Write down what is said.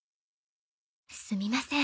すみません。